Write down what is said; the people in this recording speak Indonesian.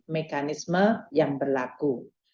mekanisme yang berlaku